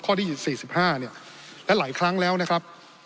ข้อที่สี่สิบห้าเนี่ยและหลายครั้งแล้วนะครับ